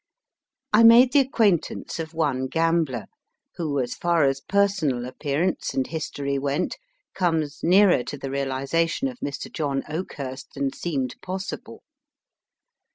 I made the acquaintance of one gambler, who, as far as personal appearance and history went, comes nearer to the realiza tion of Mr. John Oakhurst than seemed possible.